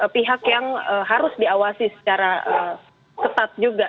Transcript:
pihak yang harus diawasi secara ketat juga